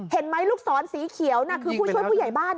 เห็นไหมลูกศรสีเขียวน่ะคือผู้ช่วยผู้ใหญ่บ้าน